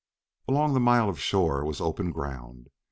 Along the mile of shore was open ground.